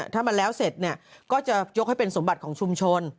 ถ้ามันแล้วเสร็จเนี่ยก็จะยกให้เป็นสมบัติของชุมชน